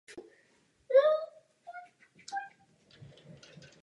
Asi dvě třetiny z nich se ale později našly a zbytek zmizel neznámo kam.